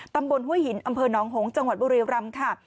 ตำบลห้วยหินองจังหวัดบุรีรำค่ะ